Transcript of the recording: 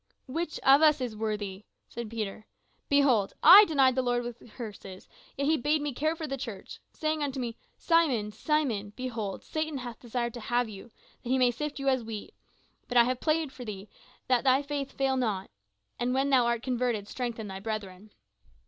"Which of us is worthy?" said Peter. "Behold, I denied the Lord himself with curses, yet he bade me care for the church, saying unto me, 'Simon, Simon, behold Satan hath desired to have you, that he may sift you as wheat; but I have prayed for thee, that thy faith fail not. And when thou art converted strengthen thy brethren.